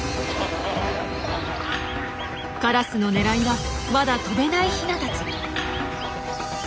カラスの狙いはまだ飛べないヒナたち。